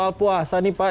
ibadah puasa nih pak